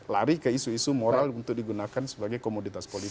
lari ke isu isu moral untuk digunakan sebagai komoditas politik